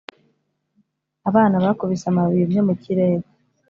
abana bakubise amababi yumye mu kirere.